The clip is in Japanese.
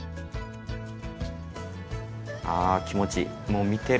ああ気持ちいい。